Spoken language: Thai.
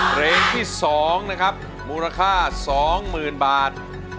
เพลงที่๒นะครับมูลค่า๒๐๐๐บาท